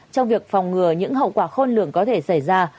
trong việc phòng ngừa những hậu quả khôn lường có thể xảy ra